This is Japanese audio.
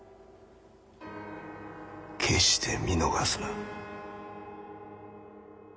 決して見逃すな。